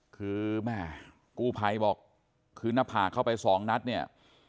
คือแม่กู้ภัยบอกคือหน้าผากเข้าไปสองนัดเนี่ย